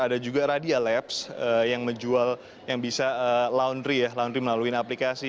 ada juga radialabs yang menjual laundry melalui aplikasi